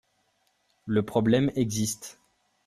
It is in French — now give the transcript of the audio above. Le problème existe.